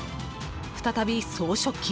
再び総書記。